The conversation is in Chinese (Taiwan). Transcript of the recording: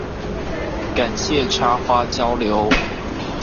感謝插花交流